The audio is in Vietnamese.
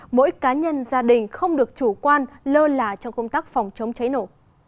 mỗi cá nhân gia đình không được chủ quan lơ là trong công tác phòng chống cháy nổ